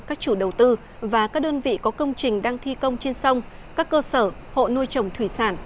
các chủ đầu tư và các đơn vị có công trình đang thi công trên sông các cơ sở hộ nuôi trồng thủy sản